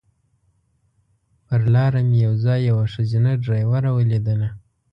پر لاره مې یو ځای یوه ښځینه ډریوره ولیدله.